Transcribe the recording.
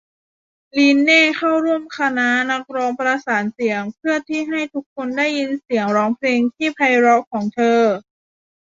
ลีนเน่เข้าร่วมคณะนักร้องประสานเสียงเพื่อให้ทุกคนได้ยินเสียงร้องเพลงที่ไพเราะของเธอ